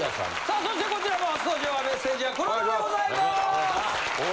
さあそしてこちらも初登場はメッセンジャー黒田でございます。